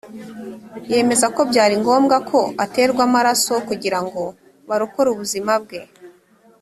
yemeza ko byari ngombwa ko aterwa amaraso kugira ngo barokore ubuzima bwe